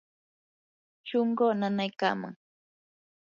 shunquu nanaykaman.